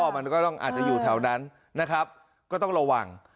มันก็ต้องอาจจะอยู่แถวนั้นนะครับก็ต้องระวัง